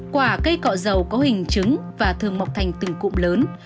quả cây cọ dầu có hình trứng và thường mọc thành từng cụm lớn